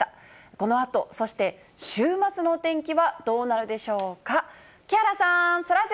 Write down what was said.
このあと、そして週末のお天気はどうなるでしょうか。